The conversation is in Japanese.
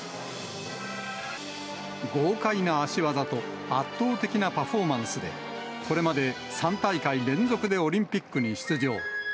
豪快な脚技と圧倒的なパフォーマンスで、これまで３大会連続でオリンピックに出場。